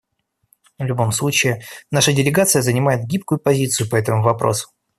В любом случае, наша делегация занимает гибкую позицию по этому вопросу.